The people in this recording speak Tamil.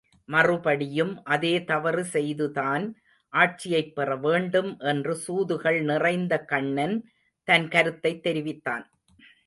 மறுபடியும் அதே தவறு செய்துதான் ஆட்சியைப் பெற வேண்டும் என்று சூதுகள் நிறைந்த கண்ணன் தன் கருத்தைத் தெரிவித்தான்.